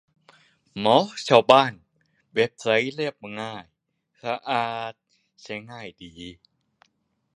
หมอชาวบ้าน เว็บไซต์เรียบง่าย สะอาด ใช้ง่ายดี